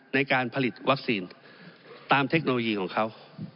ในการผลิตวัคซีนตามเทคโนโลยีของเขา